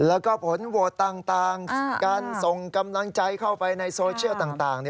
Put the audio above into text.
แล้วก็ผลโหวตต่างการส่งกำลังใจเข้าไปในโซเชียลต่าง